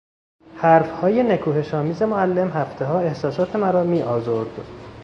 حرفهای نکوهشآمیز معلم هفتهها احساسات مرا میآزرد.